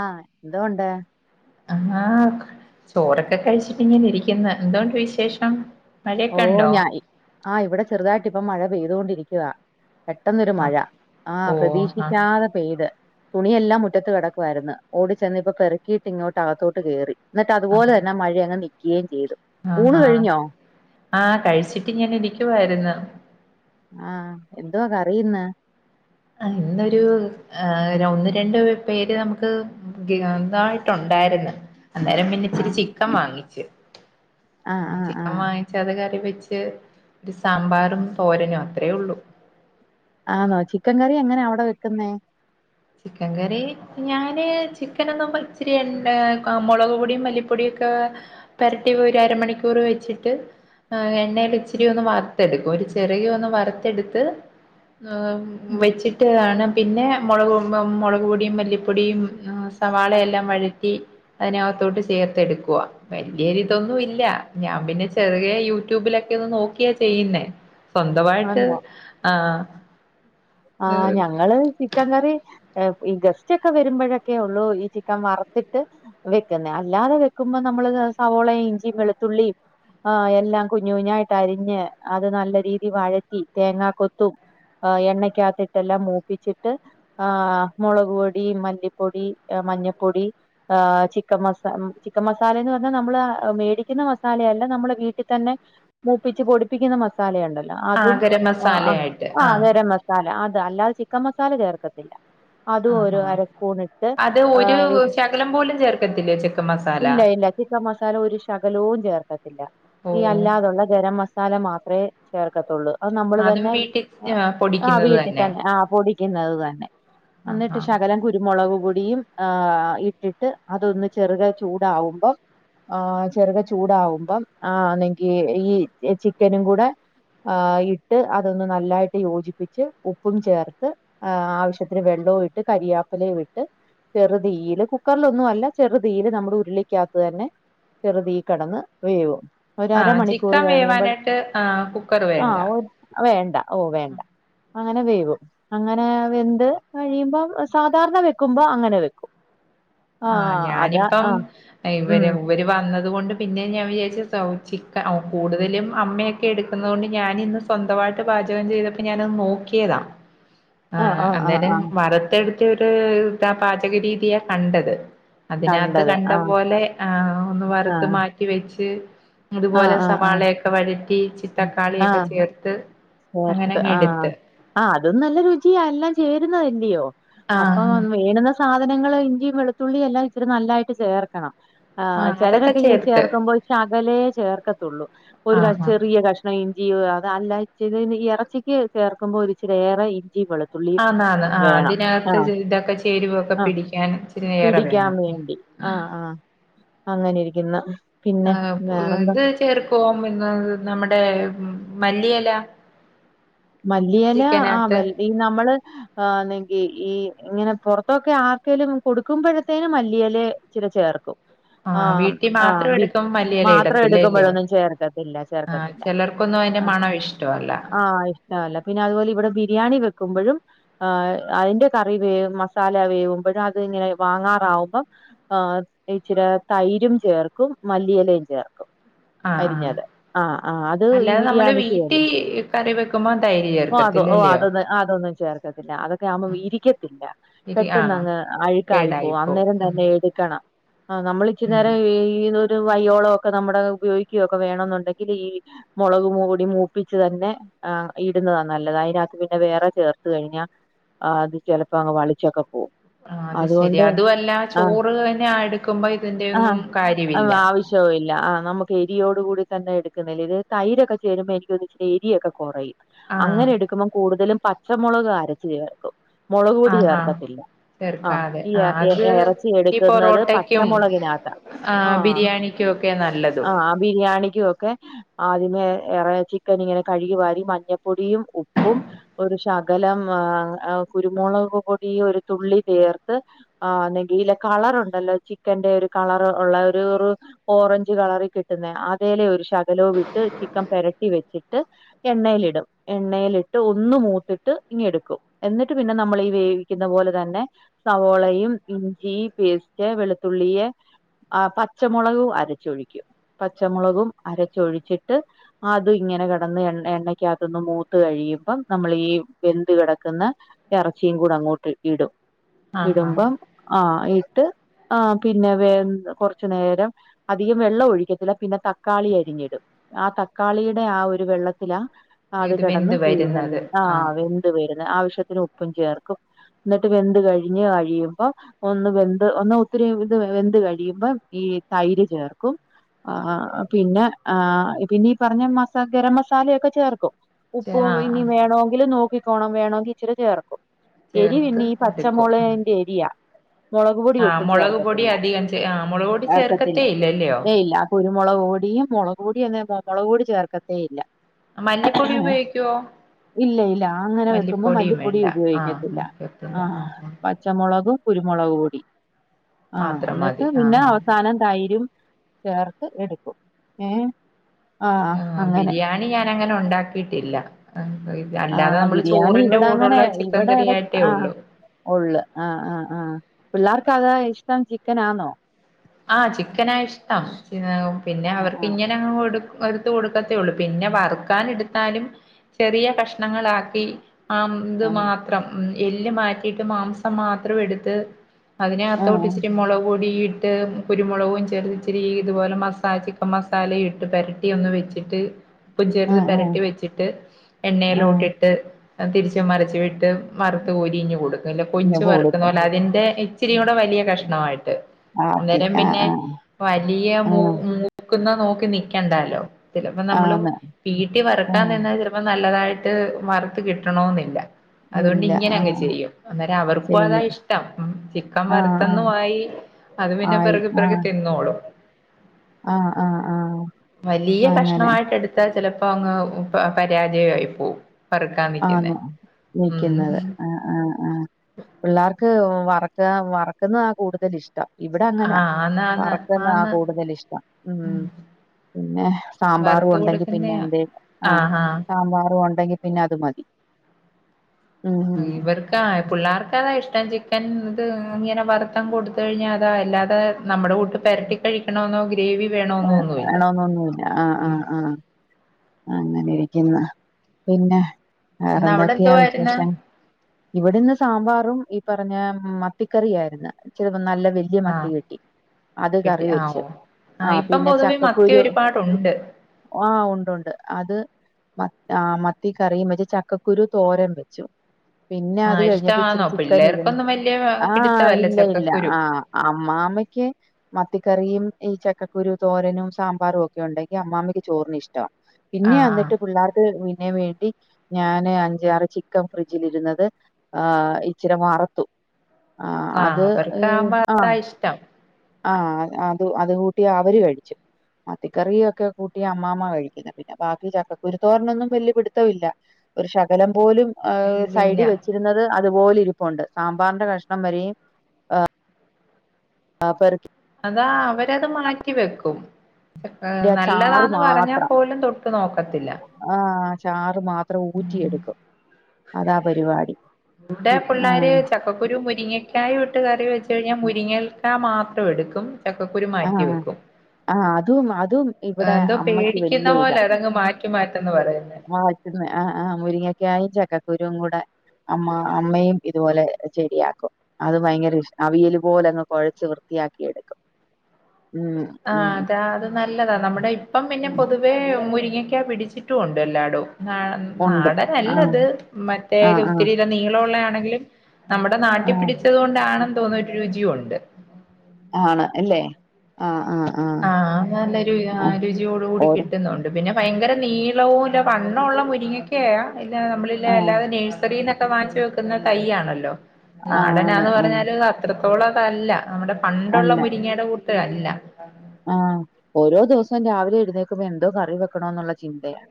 ആഹ് എന്തോണ്ട് ആഹ് ചോറൊക്കെ കഴിച്ചിട്ട് ഇങ്ങനെ ഇരിക്കുന്ന് എന്തോണ്ട് വിശേഷം മഴയൊക്കെ ഓഹ് ഉണ്ടോ ഞാ ഇ ആഹ് ഇവടെ ചെറുതായിട്ട് ഇപ്പം മഴ പെയ്തോണ്ടിരിക്കുവാ പെട്ടെന്നൊരു ആഹ് മഴ ആഹ് ഓ ആഹ് പ്രതീക്ഷിക്കാതെ പെയ്ത് തുണിയെല്ലാം മുറ്റത്ത് കെടക്കുവായിരുന്ന് ഓടി ചെന്ന് ഇപ്പ പെറ്ക്കീട്ട് ഇങ്ങോട്ട് അകത്തോട്ട് കേറി ഇന്നിട്ട് അതുപോലെ ആഹ് തന്നെ ആ മഴയങ്ങ് നിക്കേം ചെയ്ത് ആഹ് ഹാ ആഹ് കഴിച്ചിട്ടിങ്ങനെ ഇരിക്കുവായിരുന്ന് ആഹ് എന്തുവ കറി ഇന്ന് ആഹ് ഇന്നൊരു ആഹ് ഒര് ഒന്ന് രണ്ട് പേ പേര് നമുക്ക് ഗ ഏ ഇതായിട്ട് ഒണ്ടായിരുന്ന് അന്നേരം പിന്നെ ഇച്ചിരി ആഹ് ചിക്കൻ വാങ്ങിച്ച് ആഹ് ആഹ് ചിക്കൻ ആഹ് വാങ്ങി ച്ച് അത് കറി വെച്ച് ഒര് സാമ്പാറും തോരനും അത്രേ ഒള്ളു ആന്നോ ചിക്കൻ കറി എങ്ങനാ അവടെ വെക്കുന്നേ ചിക്കൻ കറി ഞാന് ചിക്കനൊന്നും പ ഇച്ചിരി എണ്ണ ക മൊളക് പൊടിയും മല്ലിപ്പൊടിയൊക്കെ പെരട്ടി ഒര് അരമണിക്കൂറ് വെച്ചിട്ട് ആഹ് എണ്ണേല് ഇച്ചിരി ഒന്ന് വറ്ത്ത് എടുക്കും ഒരു ചെറിയ ഒന്ന് വറ്ത്ത് എടുത്ത് ഏഹ് ഉം. വെച്ചിട്ട് ആണ് പിന്നെ മൊളകും മുളക്പ്പൊടിയും മല്ലിപ്പൊടിയും സവാളയെല്ലാം വഴറ്റി അതിനകത്തോട്ട് ചേർത്തെടുക്കുവാ വല്യാ ഒരിതൊന്നും ഇല്ല ഞാൻ പിന്നെ ചെറിയ യൂട്യൂബിലൊക്കെ ഒന്ന് നോക്കിയാ ചെയ്യുന്നേ സ്വന്തവായിട്ട് ആന്നോ ആഹ് ആഹ് ഞങ്ങള് ചിക്കൻ കറി ഏഹ് ഈ ഗസ്റ്റ് ഒക്കെ വരുമ്പോഴൊക്കെയൊള്ളൂ ഈ ചിക്കൻ വറുത്തിട്ട് വെക്കുന്നെ. അല്ലാതെ വെക്കുമ്പം നമ്മള് സവോളയും ഇഞ്ചിം വെളുത്തുള്ളിം ആഹ് എല്ലാം കുഞ്ഞു കുഞ്ഞായിട്ട് അരിഞ്ഞ് അത് നല്ല രീതി വഴറ്റി തേങ്ങാ കൊത്തും ഏഹ് എണ്ണക്കകത്തിട്ടെല്ലാം മൂപ്പിച്ചിട്ട് ആഹ് മുളക് പൊടി മല്ലിപ്പൊടി മഞ്ഞപ്പൊടി ഏഹ് ചിക്കൻ മസാ ചിക്കൻ മസാലേ ന്ന് പറഞ്ഞാ നമ്മള് മേടിക്കുന്ന മസാലയല്ല. നമ്മള് വീട്ടി തന്നെ മൂപ്പിച്ച് പൊടിപ്പിക്കുന്ന മസാലയുണ്ടല്ലോ, ആ അതും ഗരം ആ മസാലയായിട്ട് ആ ഗരം മ സാല അത്, അല്ലാതെ ചിക്കൻ മസാല ചേർക്കത്തില്ല. അതും ആഹ് ഒരു ആഹ് അരസ്പൂണിട്ട് ഏഹ് ള്ളം പോലും ചേർക്കത്തില്ലേ ച് ഇല്ല ഇല്ല ചിക്കൻ മസാല ഒരു ശകലൂം ചേർക്കത്തില്ല ഓ ഈ അല്ലാതുള്ള ഗരം മസാല മാത്രേ ചേർക്കത്തുള്ളൂ. അത് നമ്മൾ അതും തന്നെ, വീട്ടിൽ ആഹ് ആഹ് പൊടിക്കുന്നത് വീട്ടി തന്നെ, ആഹ് പൊടി ക്ക്ന്നത് തന്നെ. ആഹ് അന്നിട്ട് ആഹ് ശകലം കുരുമുളക് പൊടിയും ഏഹ് ഇട്ടിട്ട്, അതൊന്ന് ചെറുകെ ചൂടാവുമ്പം ഏഹ് ചെറുകെ ചൂടാവുമ്പം ആ ണെങ്കി ഈ ചിക്കനും കൂടെ ഏഹ് ഇട്ട് അതൊന്ന് നല്ലായിട്ട് യോജിപ്പിച്ച് ഉപ്പും ചേർത്ത് ഏഹ് ആവശ്യത്തിന് വെള്ളവും ഇട്ട് കരിയാപ്പിലയും ഇട്ട് ചെറുതീയില് കുക്കർലൊന്നും അല്ല ചെറുതീയില് നമ്മ ക്കുരുളിക്കകത്ത് തന്നെ ചെറുതീയിൽ കെടന്ന് വേവും ഒരു ആഹ് അരമണിക്കൂർ ചിക്കൻ കഴിയുമ്പഴ് വേവാനായിട്ട് ആഹ് കുക്കർ വേണ്ട ആഹ് ഒ വേണ്ട ഓഹ് വേണ്ട അങ്ങനെ വേവും. അങ്ങനെ വെന്ത് കഴിയുമ്പം, സാധാരണ വെക്കുമ്പം അങ്ങനെ വെക്കും. ആഹ് അതാ ആഹ് ടൈം ഉം വരേ ആവും ഇവര് വന്നതുകൊണ്ട് പിന്നെ ഞാൻ വിചാരിച്ചു സൗ ചിക്കൻ കൂടുതലും അമ്മയൊക്കെ എടുക്കുന്നോണ്ട് ഞാനിന്ന് സ്വന്തമായിട്ട് പാചകം ചെയ്തപ്പം ഞാനത് നോക്കിയതാ. ആഹ് ഏഹ് ആഹ് ആഹ് അന്നേരം ആഹ് വറ്ത്തെട് ച്ചൊര് ഇതാ പാചക രീതിയാ കണ്ടത്. അതിനകത്ത് കണ്ടത് കണ്ട ആഹ് പോലെ ആഹ് ഒന്ന് വറുത്ത് ആഹ് മാറ്റിവെച്ച് അതുപോലെ ആഹ് ആഹ് ആഹ് സവാളയൊക്കെ വഴറ്റി ചി തക്കാളിയൊക്കെ ചേർത്ത് വർത്ത് അങ്ങനങ്ങ് ആഹ്. എടുത്ത് ആഹ് അതും നല്ല രുചിയാ എല്ലാം ചേരുന്നതല്ലിയോ. അപ്പം ആഹ് വേണുന്ന സാധനങ്ങള് ഇഞ്ചിയും വെളുത്തുള്ളിയെല്ലാം ഇച്ചിരി നല്ലായിട്ട് ചേർക്കണം ആഹ് അതൊക്കെ ചിലരൊക്കെ ഇങ്ങ ചേർത്ത് ചേർക്കുമ്പോൾ ശകലേ ചേർക്കത്തുള്ളൂ. ഒരു ക ആഹ് ആഹ് ചെറിയ കഷ് ണ ഇഞ്ചിയും അത് അല്ലാച്ചി ന് ഇറച്ചിക്ക് ചേർക്കുമ്പോ ഒരിച്ചിരി ഏറെ ഇഞ്ചിയും വെളു ആന്നാന്ന്. ആഹ് അതിനകത്ത് ഇതൊക്കെ ചേരുവൊക്കെ ആഹ് പിടിക്കാൻ ഇച്ചിരി ഏറെ പിടിക്കാൻ വേണം. വേണ്ടി ആഹ് ആഹ് അങ്ങനെ ഇരിക്കുന്നു. പിന്നെ വേറെന്താ? ചേർക്കോ മിന്ന് നമ്മുടെ മല്ലിയെല മല്ലിയെല ആഹ് വെൽ ഈ നമ്മള് ആണെങ്കി ഈ ഇങ്ങനെ പൊറത്തൊക്കെ ആർക്കേലും കൊടുക്കുമ്പഴത്തേനും മല്ലിയെലെ ഇച്ചിരി ചേർക്കും. ആഹ് ആം വീട്ടിൽ ആം മാത്രം ബി എടുക്കുമ്പോ മല്ലിയില മാത്രം ഇടത്തില്ല ഇല്ലയോ എടുക്കുമ്പഴൊന്നും ചേർക്കത്തില്ല ആഹ് ചേർക്കത്തില്ല. ചെലർക്കൊന്നും അയിന്റെ മണം ഇഷ്ടവല്ല. ട്ടവല്ല. പിന്നെ അതുപോലെ ഇവടെ ബിരിയാണി വെക്കുമ്പഴും ആ അയിന്റെ കറി വേവ് മസാല വേവുമ്പോഴും അതിങ്ങനെ വാങ്ങാറാവുമ്പം ആഹ് ഇച്ചിരെ തൈരും ചേർക്കും മല്ലിയെലേം ചേർക്കും ആഹ് ആഹ് അരിഞ്ഞത് ആഹ് ആ് അത് ഈ അല്ലാതെ നമ്മള് ബിരിയാണിക്ക് വേണ്ടേ വീട്ടിൽ കറി വക്കുമ്പോ ധൈര്യം ഓ അതോ ഓ അതൊന്ന അതൊന്നും ചേർക്കത്തില്ല അതൊക്കെ ആവുമ്പം ഇരിക്കത്തില്ല ഇരി പെട്ടെന്ന് ആഹ് അങ്ങ് അഴുക്കായി പോക കേടായിപ്പോവും അന്നേരം ഉം തന്നെ എ ആ നമ്മള ഇച്ച ഉം നേര ഈ ഇത് വയോളമ ഒക്കെ നമ്മുടെ ഉപയോഗിക്കുകയ ഒക്കെ വേണമ എന്നുണ്ടെങ്കിൽ ഈ മുളക മൂടി മൂപ്പിച്ചു തന്നെ ആ ഇടുന്നതാ നല്ലത് അയിനത്ത് പിന്നെ വേറെ ചേർത്ത കഴിഞ്ഞാ ആ അത് ചിലപ്പ അങ് വളിച്ചക്ക പോവും ആ അത് ശെരി അതുകൊണ്ട് അതുമല്ല ആ ചോറ് തന്നെ അടുക്കുമ്പോ ഇതിന്റെ ഒന്നും കാര്യവില്ല റ്റൊല്ല നമുക്ക് എരിയോട കൂടി തന്നെ എടുക്കുന്നില്ല ഇത് തൈരൊക്കെ ചേരുമ്പോ എനക്ക്ന്ന ച്രി എരിയൊക്കെ കുറയും ആഹ് അങ്ങനെ എടുക്കുമ്പോം കൂടുതലും പച്ചമുളക് അരച്ച ചേർക്കും മുളക് പൊടി ആഹാ ചേർക്കത്തില്ല ആഹ് ചേർക്കാതെ ആഹ് ഈ അത് ഇറച്ചി എടുക്കുന്നത് പച്ചമുളകിനകത്ത ആ ബിരിയാണിക്കുംക്കെ നല്ലത ആ ബിരിയാണിക്കും ഒക്കെ ആദ്യമേ ഏറെ ചിക്കൻ ഇങ്ങനെ കഴ ഴ വരി മഞ്ഞപ്പൊടിയും ഉപ്പും ഒരു ശകലം ആ കുരുമുളക് കൂടി ഒരു തുള്ളി തേർത്ത് ആ ന്നങ്കില് കളർണ്ടല്ലോ ചിക്കന്റെ ഒരു കളർ ഉള്ള ഒരു ഒർ ഓറഞ്ച് കളറി കിട്ടുന്ന അതേലെ ഒരു ശകലവും ഇട്ട് ചിക്കൻ പെരട്ടി വെച്ചിട്ട് എണ്ണയിലിടും എണ്ണയിലിട്ട് ഒന്ന് മൂത്തിട്ട് ഇങ്ങ എടുക്കും എന്നിട്ട് പിന്നെ നമ്മളീ വേവിക്കുന്ന പോലെ തന്നെ സവോളയും ഇഞ്ചി പേസ്റ്റ് വെളുത്തുള്ളിയ ആ പച്ചമുളകും അരച്ചൊഴിക്കും പച്ചമുളകും അരച്ചൊഴിച്ചിട്ട് അതും ഇങ്ങനെ ക്കെടന്ന് എണ് എണ്ണക്കകത്തൊന്ന് മൂത്ത് കഴിയുമ്പം നമ്മൾ ഈ വെന്ത്‌ കിടക്കുന്ന ഇറച്ചിയും കൂടെ അങ്ങോട്ട് ഇടും ആഹ് ആഹ് ഇടുമ്പം ആ ഇട്ട് ആഹ് പിന്നെ വേ കുറച്ചു നേരം അധികം വെള്ളം ഒഴിക്കത്തില്ല പിന്നെ തക്കാളി അരിഞ്ഞിടും ആ തക്കാളിയുടെ ആ ഒരു വെള്ളത് ത്തില അത് ഇത് കിടന്ന് വെന്ത് വരുന്നത് ആഹ് വെന്ത് വരുന്ന ആവശ്യത്തിന് ഉപ്പും ചേർക്കും എന്നിട്ട് വെന്ത് കഴിഞ്ഞ് കഴിയുമ്പോ ഒന്ന് വെന്ത് ഒന്ന് ഒത്തിരി ഇത് വെന്ത് കഴിയുമ്പം ഈ തൈര് ചേർക്കും ആ പിന്നെ ആ പിന്ന ഈ പറഞ്ഞ മസ ഗരമ സാലൊക്കെ ചേർക്കും ഉപ്പും ആഹ് ഇനി ആഹ് വേണമെങ്കി നോക്കിക്കോണം വേണമെങ്കി ഇച്ചിരി ചേർക്കും എരി ചേർത്ത് പിന്നെ ഈ എടുക്കും പച്ചമുളേന്റെ എരിയാ മുളക്പൊടി ആഹ് ഒട്ടും മുളക് പൊടി ചേർക്കത്തില്ല അധികം ചേ ആഹ് മുളക് പൊടി ചേർക്കത്തില്ല ചേർക്കത്തേ ഇല്ലല്ലയോ ഏ ഇല്ല കുരുമുളക് പൊടിയും മുളക്പൊടി മുളക് പൊടി ചേർക്കത്തേ ഇല്ല മല്ലിപ്പൊടി ഉപയോഗിക്കുവോ ഇല്ല ഇല്ല അങ്ങനെ വെക്കുമ്പോ മല്ലിപ്പൊടിയും മല്ലിപ്പൊടി വേണ്ട ഉപയോഗിക്കത്തില്ല ആഹ് ചേർത്തില്ല ആഹ ആഹ് ആഹ് പച്ചമുളകും കുരുമുളകും പൂടി ആഹ് എ മാത്രം ന്നിട്ട് മതി പിന്നെ ആഹ് ആഹ് അവസാനം തൈരും ചേർത്ത് എടുക്കും ഏ ആഹ് അങ്ങനെ ഞാന അങ്ങനെ ഉണ്ടാക്കിയിട്ടില്ല ഇ അല്ലാതെ ആഹ് നമ്മള് ബിരിയാണി ചോറിന്റെ ഇവിടെ കൂടുള്ള ചിക്കൻ കറിയായിട്ടേ ഉള്ളു ഒള്ളു ആഹ് ആഹ ആഹ പിള്ളേർക്ക് അത് ഇഷ്ടം ചിക്കനാന്നോ ആഹ ചിക്കന ആ ഇഷ്ടം പിന്നെ ആഹ് അവർക്ക് ആഹ് ഇങ്ങനെ അങ്ങ് കൊടുക്കും വത്ത കൊടുക്കത്തേള്ളൂ പിന്നെ വറുക്കാൻ എടുത്താലും ചെറിയ കഷ്ണങ്ങളാക്കി ആ ഇത് ആഹ് മാത്രം ഉ എല്ല് മാറ്റിട്ട് മാംസം മാത്രം എടുത്ത് അതിനകത്തോട്ട ഇച്ചിരി മുളക് പൊടി കുരുമുളകും ചെറുച്ചിരി ഇതുപോലെ മസ ചിക്കൻ മസാല ഇട്ട് പെരട്ടി ഒന്ന് വെച്ചിട്ട് പ്പ ആഹ് ചെറുത് ആഹ് പരട്ടി വെച്ചിട്ട് ആഹ് എണ്ണയിലോട്ടിട്ട് തിരിച്ച മറിച്ച് വിട്ട് വറുത്ത് കോരിഞ് കൊടുക്കും ഇല്ല ആഹ് കൊഞ്ച് വറുക്കുന്ന കൊടുക്കും പോലെ അതിന്റെ ഇച്ചിരി കൂടെ വലിയ കഷ്ണമായിട്ട് ആക്കി അന്നേരം ആഹ് പിന്നെ ആഹ് വലിയ മു ആഹ് മു നക്കുന്ന നോക്കി നിക്കണ്ടല്ലോ ചിലപ്പോ നമ്മള് ആന്ന് വീട്ടി വറുക്കാൻ ആഹ് നിന്ന ഇപ്പൊ നല്ലതായിട്ട് വറുത്തു കിട്ടണന്നില്ല അതുകൊണ്ട് ഇല്ല ഇങ്ങനെ അങ്ങ് ആഹ് ചെയ്യും അന്നേരം അവർക്കും ശരി അതാ ഇഷ്ടം ചിക്കൻ ആഹ് വറുത്തന്നു ആഹ് ആയി അത് പിന്നെ ആയി പറക്കി പറക്കി ആഹ് തിന്നോളും ആഹ് ആഹ് ആഹ് വലിയ അങ്ങനെ കഷണമായിട്ട് എടു എടുത്ത ചെലപ്പോ അങ്ങ് പരാജയമായി പോവും വറുക്കാൻ നിക്കുന്നെ ആന്ന് നിൽക്കുന്നത് ഉം ആ ആ ആ പിള്ളേർക്ക് വറക്ക വറക്കുന്ന കൂടുതൽ ഇഷ്ടം ഇവിടെ അങ്ങനെ ആഹ് ആന്ന് ആന്ന് വറക്കുന്ന ആ ആന്ന് കൂടുതൽ ഇഷ്ടം ഉം പിന്നെ സാമ്പാറും വറുത്ത് ഉണ്ടെങ്കി പിന്നെ കൊടുക്കുന്നയാ എന്ത് ആ ആഹ് ആഹ് സാമ്പാറും ഉണ്ടെങ്കിൽ പിന്നെ അത് മതി ഉം ഉ പിള്ളേർക്ക്ക്ക അതാ ഇഷ്ടം ചിക്കൻ ഇത് ഇങ്ങനെ വറുത് കൊടുത്ത കഴിഞ്ഞാൽ അതാ അല്ലാതെ നമ്മുടെട്ട പരട്ടി കഴിക്കണന്നോ ഗ്രേവി വേണോെന്നോ ഒന്നുമല്ല വേണോന്നൊന്നുല്ല ആഹ് ഉ ആഹ് ആഹ് അങ്ങനെ ഇരിക്കുന്ന പിന്നെ ഇന്ന് അവിടെ വേറെന്തൊക്കെയാ എന്തുവായിരുന്ന് വിശേഷം ഇവിടെന്ന് സാമ്പാറും ഈ പറഞ്ഞ മത്തിക്കറിയിരുന്നു ചെലത് നല്ല വ വലിയ മത്തി ആഹ് കിട്ടി അത് കിട്ടി കറി ആഹ് വെച്ച് ഓ ആ ആഹ് ഇപ്പം പിന്നെ പൊതുവെ മത്തി ചക്കക്കുരു ഒരുപാടുണ്ട് ആ ഉണ്ട്ണ്ട് അത് മത്തി കറിയും വെച്ച് ചക്കക്കുരു തോരൻ വെച്ചു പിന്നെ അത് ആഹ് കഴിഞ്ഞപ്പ ഇച്ചിരി ഇഷ്ടമാന്നോ ചിക്കൻ ഇരുന്നു പിള്ളേർക്കൊന്നും വലിയ ആഹ പിടിത്തമല്ല ഇല്ല ഇല്ല ചക്കക്കുരു ആഹ അമ്മമ്മയ്ക്ക് മത്തിക്കറിയും ഈ ചക്കക്കുരു തോരനും സാമ്പാറും ഒക്കെ ഉണ്ടെങ്കി അമ്മാമ്മയ്ക്ക് ചോറിന് ഇഷ്ടവാ പിന്നെ ആഹ് വന്നിട്ട് ആഹ് പിള്ളേർക്ക് തിന്നാൻ വേണ്ടി ഞാന് അഞ്ചാറ് ചിക്കൻ ഫ്രിഡ്ജിലിരുന്നത് ആ ഇച്ചിരി വറുത്തു ആ ആഹ് അത് ഏ അവർക്കാവുമ്പോ അ അതാ ഇഷ്ടം ആ അത് അത് കൂട്ടി അവര് കഴിച്ചു മത്തിക്കറി ഒക്കെ കൂട്ടി അമ്മാമ്മ കഴിക്കുന്നു പിന്നെ ബാക്കി ചക്കക്കുരുത്തോറിനൊന്നും വലിയാ പിടുത്തവുല്ല ഒരു ശകലം പോലും ഹ സൈഡി ഇല്ലില്ല വെച്ച് ഇടുന്നത് അതുപോലെ ഇരിപ്പുണ്ട് സാമ്പാറിന്റെ കഷ്ണം വരെ ആ പെറുക്കി അതാ അവരത് മാറ്റി വെക്കും ആ ചാറ് നല്ലതാന്ന് പറഞ്ഞാൽ മാത്രം പോലും തൊട്ട് നോക്കത്തില്ല ആ ചാറ് മാത്ര അത്ര ഊറ്റിയെടുക്കും അതാ പരിപാടി ഇവിടെ ആ പിള്ളേര് ചക്കക്കുരു മുരിങ്ങക്കായ ഇട്ട് കറി വെച്ച് കഴിഞ്ഞാൽ മുരിങ്ങക്കായ മാത്രം എടുക്കും ചക്കക്കുരു ആ മാറ്റി വെക്കും ആ അതും അതും ഇവിടെ എന്തോ അമ്മയ്ക്ക് പേടിക്കുന്ന വലിയ ഇതാ പോലെ അതങ്ങ് മാറ്റി മാറ്റന്ന് പറയുന്നെ ആ ആഹ് ആഹ് മുരിങ്ങൊക്കെയി ചക്കക്കുരുവും കൂടെ അമ്മ അമ്മയും ഇതുപോലെ ശരിയാക്കും അത് ഭയങ്കര ഇഷ്ട അവിയൽ പോല അങ്ങ് കുഴച്ച് വൃത്തിയാക്കി എടുക്കും ഉം ഉം ആഹ് അതാ അത് നല്ലതാ നമ്മുടെ ഇപ്പം പിന്നെ പൊതുവേ മുരിങ്ങക്കാ പിടിച്ചിട്ടും ഉണ്ട് എല്ലാടും ഉണ്ട് നാടൻ ആഹ് അല്ലത് മറ്റേ ആഹ് ആഹ് ഒത്തിരി ഇ നീളമള്ളയാണെങ്കിലും നമ്മുടെ ആഹ് നാട്ടിൽപിടി വച്ചതുകൊണ്ടാണെന്ന് തോന്നുന്ന ഒരു രുചിയും ഉണ്ട് ആണ് അല്ലേ ആഹ് ആഹ് ആഹ് നല്ലൊരു ആഹ് രുചിയോട കൂടി ഓരോ കിട്ടുന്നുണ്ട് പിന്നെ ഭയങ്കര നീളവും ഇല്ല വണ്ണ ഉള്ള മുരിങ്ങക്കണ്ട് നമ്മള ആഹ് ല്ലാതെ നേഴ്സറിൽന്നൊക്കെ വാങ്ങിച്ച് വെക്ക വെക്കുന്ന തൈണല്ലോ ആണ് നാടനാണ് ആഹ് പറഞ്ഞാല് അത്രത്തോളം അതല്ല നമ്മടെ പണ്ടുള്ള അല്ല മുരിങ്ങയുടെ കൂട്ട്അല്ല ആഹ് ഓരോ ദിവസം രാവിലെ എഴുന്നേക്കുമ്പോ എന്തോ കറി വെക്കണോ എന്നുള്ള ചിന്തയാ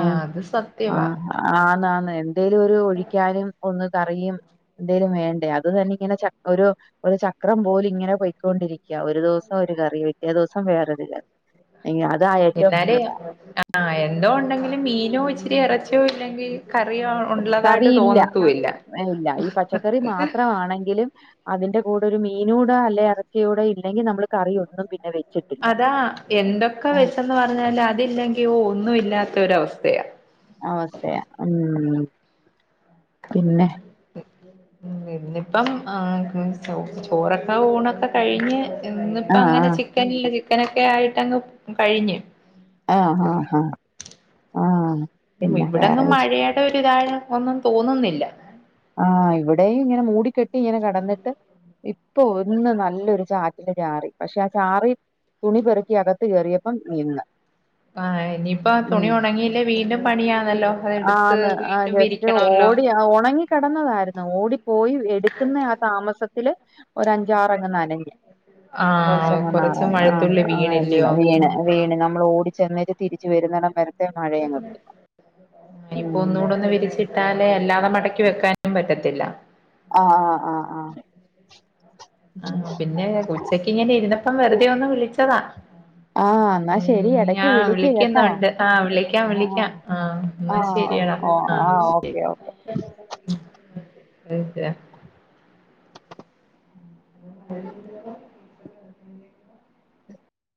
ഏ ആഹ് അത് സത്യവാ ആഹ് ആന്നാ ന്ന് എന്തേലും ഒരു ഒഴിക്കാനും ഒന്ന് കറിയും എന്തേലും വേണ്ടേ അത് തന്നെ ഇങ്ങനെ ചക്കൊരു ഒരു ചക്രം പോലു ഇങ്ങനെ പോയ്ക്കൊണ്ടിരിക്കാ ഒരു ദിവസം ഒര് കറി വെക്ക പിറ്റേ ദിവസം വേറൊരു കറി അതാ ഏറ്റവും എന്നാല് വല്യതാ ആഹ് എന്തോ ഉണ്ടെങ്കിലും മീനോ ഇച്ചിരി എറച്ചിയേ ഇല്ലെങ്കി കറിയോ ഉള്ളതായിട്ട് കറിയില്ല തോന്നത്തുമില്ല ഇല്ല ഈ പച്ചക്കറി മാത്രമാണെങ്കിലും അതിന്റെ കൂടെ ഒരു മീനൂടോ അല്ലെ എറച്ചിയുടെ ഇല്ലെങ്കി നമ്മള് കറി ഒന്നും പിന്നെ വെച്ച് അതാ എന്തൊക്കെ വെച്ചെന്ന് പറഞ്ഞാല് അതില്ലെങ്കിൽ ഒന്നും ഇല്ലാത്ത ഒരവസ്ഥയാ അവസ്ഥയാ ഉം പിന്നെ ഇന്നിപ്പം ചോറൊക്കെ ഊണൊക്കെ കഴിഞ്ഞ് ആഹ് ഇന്ന്പ്പഅങ്ങനെ ആഹ്. ചിക്കനില്ല ചിക്കനൊക്കെ ആയിട്ടങ്ങ് കഴിഞ്ഞ് ആഹ് ആഹ് ആഹ് ആണ് ഇവിടെന്നും മഴയടെ ഒര്തായെ ഒന്നും തോന്നുന്നില്ല ആഹ് ഇവിടെയും ഇങ്ങനെ മൂടിക്കെട്ടി ഇങ്ങനെ കടന്നിട്ട് ഇപ്പൊ ഒന്ന് നല്ലൊരു ചാറ്റല് ചാറി പക്ഷെ ആ ചാറി തുണി പെറ്ക്കി അകത്ത് കെറിയപ്പം നിന്ന് പാ ഇനിയിപ്പം തുണി ഉം ഉണങ്ങിയില്ലേ വീണ്ടും പണിയാന്നല്ലോ അതെടുത്ത് ആന്ന് ആഹ് വീണ്ടും ജസ്റ്റ് വിരിക്കണല്ലോ ഓടി ഒണങ്ങിക്കിടന്നതായിരുന്നു ഓടി പോയി എടുക്കുന്ന ആ താമസത്തില് ഒര് അഞ്ചാറങ്ങ് ന്നനഞ്ഞ് ആഹ് കൊറച്ച് കൊറച്ചങ്ങനാറായി ആഹ് മഴത്തുള്ളി വീണില്ലയോ ആഹ് വീണ് വീണ് നമ്മള് ഓടി ചെന്നിട്ട് തിരിച്ച് വരുന്നടം വരത്തെ മഴയേനു ഇപ്പോ ഒന്നുകൂടെ ഒന്ന് വിരിച്ചിട്ടാലേ അല്ലാതെ മടക്കി വെക്കാനും പറ്റത്തില്ല ആഹ് ആഹ് ആഹ് ആഹ് ആഹ് പിന്നെ ഉച്ചക്ക് ഇങ്ങനെ ഇരുന്നപ്പം വെറുതെ ഒന്ന് വിളിച്ചതാ ആ എന്നാ ശരി ഉം എടക്ക് ഞാൻ വിളിക്ക് കേട്ടോ വിളിക്കുന്നുണ്ട് ആഹ് വിളിക്കാം വിളിക്കാം ആ ആഹ് ആ ന്നാ ശരിയാടാ ഓ ആ ആഹ് ഓക്കെ ഓക്കെ ശരി [unintelligible]